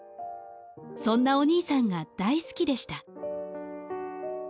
そんなお兄さんが大好きでした。